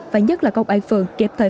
và nhất là công an phường kịp thời